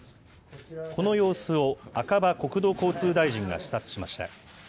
この様子を赤羽国土交通大臣が視察しました。